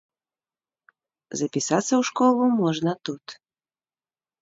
Запісацца ў школу можна тут.